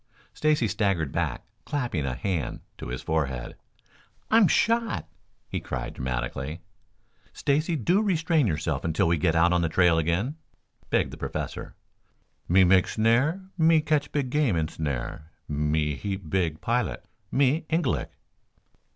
Stacy staggered back, clapping a hand to his forehead. "I'm shot!" he cried dramatically. "Stacy, do restrain yourself until we get out on the trail again," begged the Professor. "Me make snare. Me catch big game in snare. Me heap big pilot. Me Ingalik."